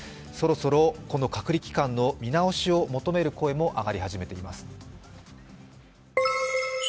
そろそろこの隔離期間の見直しを求める声も上がり始めています。